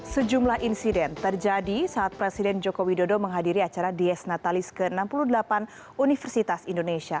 sejumlah insiden terjadi saat presiden joko widodo menghadiri acara dies natalis ke enam puluh delapan universitas indonesia